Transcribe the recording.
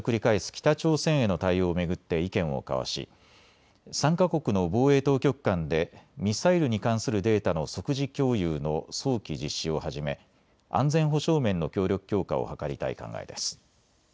北朝鮮への対応を巡って意見を交わし、３か国の防衛当局間でミサイルに関するデータの即時共有の早期実施をはじめ安全保障面の協力強化を図りたい考えです。